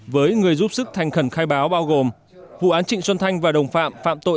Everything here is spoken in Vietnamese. với người giúp sức thành khẩn khai báo bao gồm vụ án trịnh xuân thanh và đồng phạm phạm tội